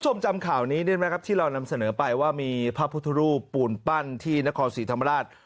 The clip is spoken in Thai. จำข่าวนี้ได้ไหมครับที่เรานำเสนอไปว่ามีพระพุทธรูปปูนปั้นที่นครศรีธรรมราช